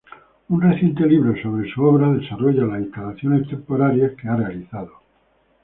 Un reciente libro sobre su obra desarrolla las instalaciones temporarias que ha realizado.